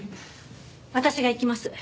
私が行きます。